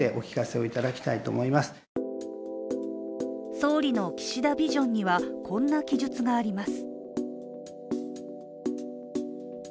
総理の「岸田ビジョン」にはこんな記述があります。